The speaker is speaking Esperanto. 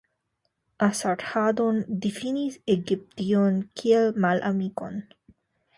Asarĥaddon difinis Egiption kiel malamikon.